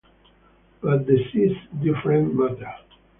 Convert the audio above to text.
But the sea's a different matter.